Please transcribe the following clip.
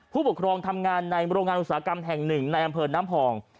ผู้ปกครองทำงานในโรงงานอุตสาหกรรมแห่งหนึ่งในอำเภอน้ำพอง